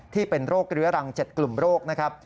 ที่เป็นโรคเรื้อรัง๗กลุ่มโรคนะครับ